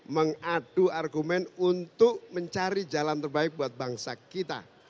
mengadu argumen untuk mencari jalan terbaik buat bangsa kita